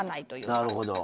なるほど。